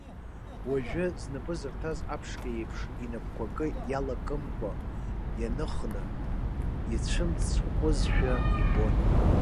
Уажәы знапы зырҭаз аԥшқа иеиԥш, инапқәа акы иалакымкәа ианынха, ицәымыцхәызшәа ибон.